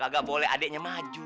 gak boleh adeknya maju